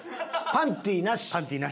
パンティなし。